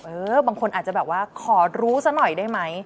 บางคนอาจจะแบบว่าขอรู้ซะหน่อยได้ไหม